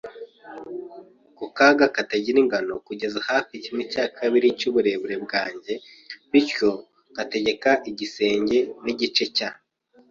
ku kaga katagira ingano kugeza hafi kimwe cya kabiri cy'uburebure bwanjye bityo nkategeka igisenge n'igice cya